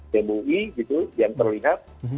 temui gitu yang terlihat